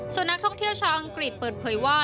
ส่วนนักท่องเที่ยวชาวอังกฤษเปิดเผยว่า